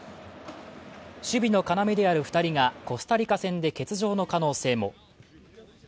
守備の要である２人がコスタリカ戦で欠場の可能性も。